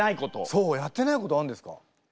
そうやってないことあんですか？